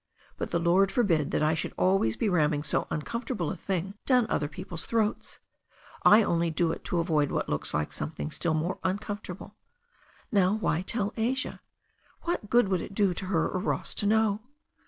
But the Lord forbid that I should always be ramming so uncomfortable a thing down other people's throats. I only do it to avoid what looks like something still more uncom fortable. Now, why tell Asia ? What good would it do her or Ross to know?